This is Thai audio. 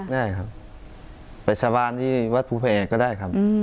ได้ครับไปสาบานที่วัดภูแผ่ก็ได้ครับ